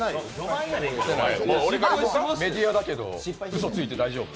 メディアだけど、うそついて大丈夫？